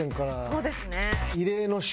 そうですね。